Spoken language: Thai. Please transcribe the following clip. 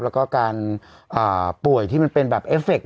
แล้วก็การป่วยที่มันเป็นแบบเอฟเฟคต